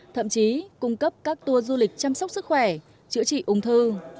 thậm chí cung cấp các tour du lịch chăm sóc sức khỏe chữa trị ung thư